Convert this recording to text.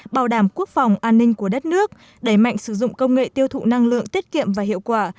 bảo đảm quốc phòng an ninh của đất nước đẩy mạnh sử dụng công nghệ tiêu thụ năng lượng tiết kiệm và hiệu quả